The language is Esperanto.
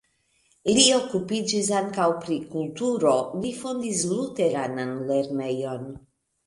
Li okupiĝis ankaŭ pri kulturo, li fondis luteranan lernejon.